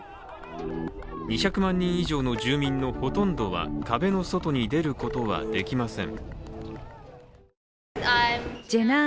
２００万人以上の住民のほとんどは壁の外に出ることはできません。